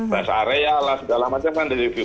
best area lah segala macam kan di review